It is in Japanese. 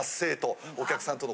お客さんとの。